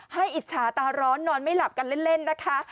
อิจฉาตาร้อนนอนไม่หลับกันเล่นนะคะ